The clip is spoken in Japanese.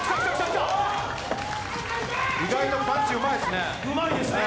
意外とパンチうまいですね。